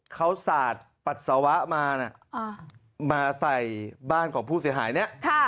เขาสาดปัสสาวะมานะมาใส่บ้านของผู้เสียหายเนี่ย